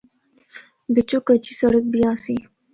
بِچّو کچی سڑک بھی آسی۔